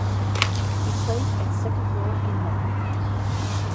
He played at second-row and lock.